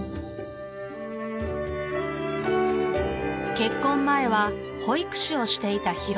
結婚前は保育士をしていた浩美さん。